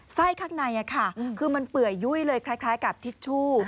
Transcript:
ข้างในคือมันเปื่อยยุ่ยเลยคล้ายกับทิชชู่